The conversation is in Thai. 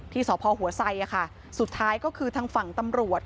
ที่สพหัวไซค่ะสุดท้ายก็คือทางฝั่งตำรวจ